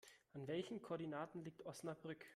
An welchen Koordinaten liegt Osnabrück?